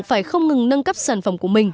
phải không ngừng nâng cấp sản phẩm của mình